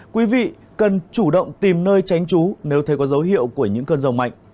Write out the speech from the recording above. quý vị cần chủ động tìm nơi tránh trú nếu thấy có dấu hiệu của những cơn rông mạnh